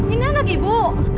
ini anak ibu